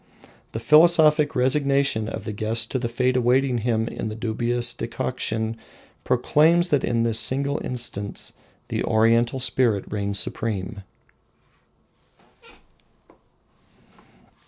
The philosophic resignation of the guest to the fate awaiting him in the dubious decoction proclaims that in this single instance the Oriental spirit reigns supreme.